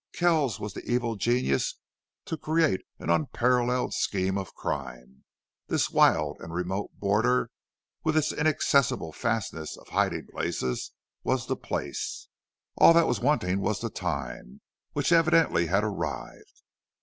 Kells was the evil genius to create an unparalleled scheme of crime; this wild and remote border, with its inaccessible fastness for hiding places, was the place; all that was wanting was the time, which evidently had arrived.